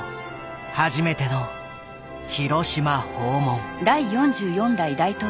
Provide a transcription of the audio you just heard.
初めての広島訪問。